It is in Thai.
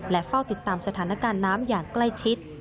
เฝ้าติดตามสถานการณ์น้ำอย่างใกล้ชิด